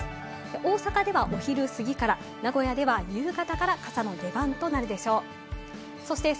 大阪ではお昼過ぎから名古屋では夕方から傘の出番となるでしょう。